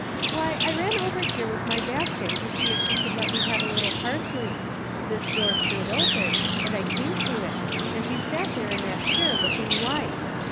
" Why, I ran over here with my basket to see if she could let me have a little parsley ; this door stood open, and I came to it, and she sat there in that chair, looking white.